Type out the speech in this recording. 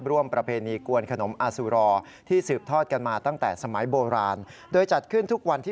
ร่วมประเพณีกวนขนมอาสูรอที่สืบทอดกันมาตั้งแต่สมัยโบราณ